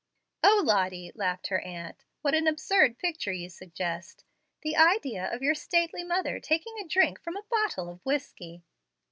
"O Lottie!" laughed her aunt, "what an absurd picture you suggest! The idea of your stately mother taking a drink from a bottle of whiskey!"